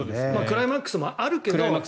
クライマックスもあるけど。